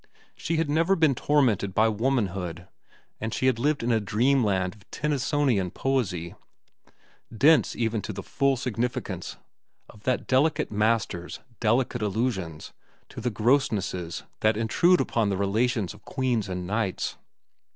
She had never been tormented by womanhood, and she had lived in a dreamland of Tennysonian poesy, dense even to the full significance of that delicate master's delicate allusions to the grossnesses that intrude upon the relations of queens and knights.